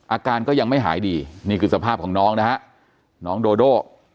อาการก็ยังไม่หายดีนี่คือสภาพของน้องนะฮะน้องโดโด